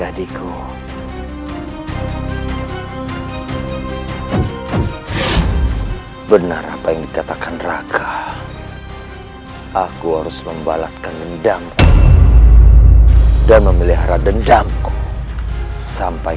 adikku benar apa yang dikatakan raka aku harus membalaskan dendam dan memelihara dendam sampai